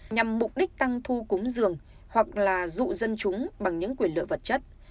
nhằm mục đích tăng thu cúng dường hoặc là dụ dân chúng bằng những quyền lợi vật chất